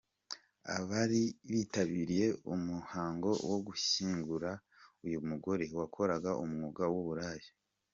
Abari bitabiriye umuhango wo gushyingura uyu mugore wakoraga umwuga w’uburaya.